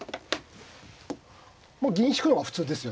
まあ銀引くのが普通ですよね。